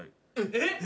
えっ！？